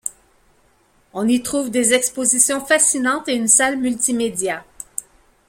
On y trouve des expositions fascinantes et une salle multimédia.